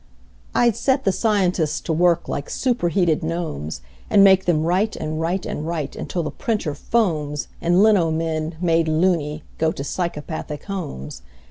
I'd set the scientists to work like superheated gnomes, And make them write and write and write until the printer foams And lino men, made "loony", go to psychopathic homes.